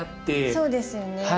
そうですよね。